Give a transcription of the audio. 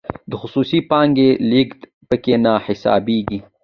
د خصوصي پانګې لیږد پکې نه حسابیږي.